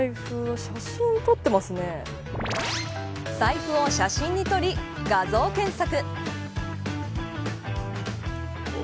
財布を写真に撮り、画像検索。